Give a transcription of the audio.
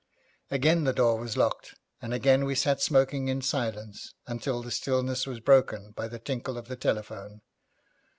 Again the door was locked, and again we sat smoking in silence until the stillness was broken by the tinkle of the telephone.